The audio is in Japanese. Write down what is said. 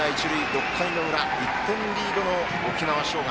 ６回の裏、１点リードの沖縄尚学。